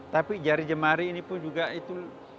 tapi jari jemari ini pun juga itu